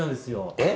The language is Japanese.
えっ？